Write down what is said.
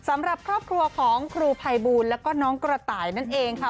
สำหรับครอบครัวของครูภัยบูลแล้วก็น้องกระต่ายนั่นเองค่ะ